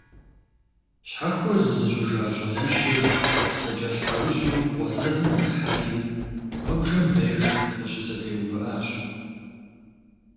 Щхьэхуэ зызыщIыжа щIалищыр зэкIэлъхьэужьу къуэ зэвым дыхьэри «Iуэбжэм» деж къыщызэтеувыIащ.